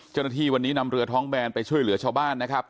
เจ้าหน้าที่วันนี้นำเรือท้องแบนไปช่วยเหลือชาวบ้านนะครับ